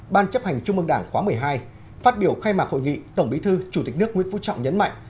ban chấp hành trung mương đảng khóa một mươi hai phát biểu khai mạc hội nghị tổng bí thư chủ tịch nước nguyễn phú trọng nhấn mạnh